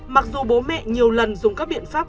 mặc dù bố mẹ nhiều lần dùng các biện pháp